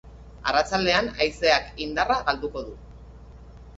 Arratsaldean haizeak indarra galduko du.